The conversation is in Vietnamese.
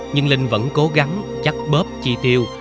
nhưng linh vẫn cố gắng chắc bóp chi tiêu